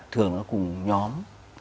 thường nó cùng nhóm